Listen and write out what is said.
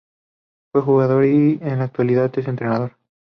Fue jugador y en la actualidad es entrenador.